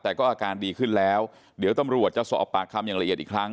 แต่ก็อาการดีขึ้นแล้วเดี๋ยวตำรวจจะสอบปากคำอย่างละเอียดอีกครั้ง